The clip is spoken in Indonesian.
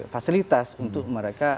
fasilitas untuk mereka